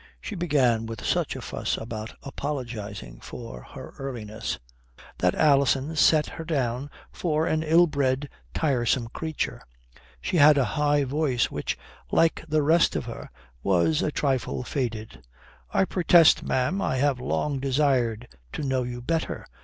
She began with such a fuss about apologizing for her earliness that Alison set her down for an ill bred, tiresome creature. She had a high voice which, like the rest of her, was a trifle faded. "I protest, ma'am, I have long desired to know you better."